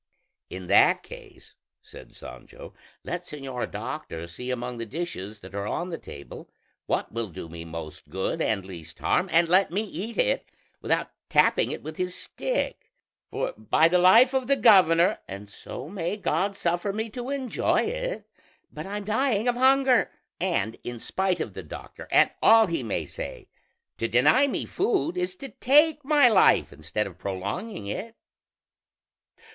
'" "In that case," said Sancho, "let señor doctor see among the dishes that are on the table what will do me most good and least harm, and let me eat it, without tapping it with his stick: for by the life of the governor, and so may God suffer me to enjoy it, but I'm dying of hunger; and in spite of the doctor and all he may say, to deny me food is the way to take my life instead of prolonging it."